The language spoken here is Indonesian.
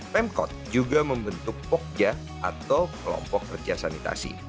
pemkot juga membentuk pokja atau kelompok kerja sanitasi